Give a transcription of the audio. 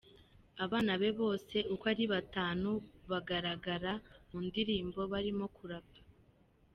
Abana be bose uko ari batanu, bagaragara mu ndirimbo barimo kurapa.